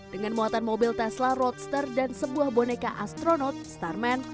dengan muatan mobil tesla roadster dan sebuah boneka astronot starman